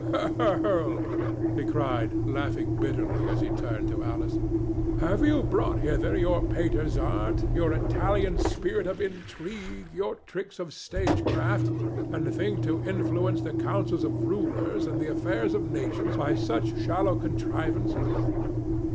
"Girl," cried he, laughing bitterly, as he turned to Alice, "have you brought hither your painter's art, your Italian spirit of intrigue, your tricks of stage effect, and think to influence the councils of rulers and the affairs of nations by such shallow contrivances?